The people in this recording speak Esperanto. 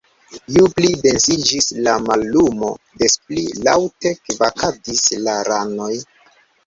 Ju pli densiĝis la mallumo, des pli laŭte kvakadis la ranoj.